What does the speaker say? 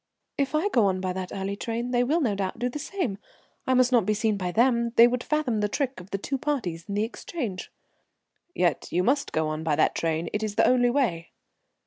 "If I go on by that early train they will, no doubt, do the same. I must not be seen by them. They would fathom the trick of the two parties and the exchange." "Yet you must go on by that train. It's the only way."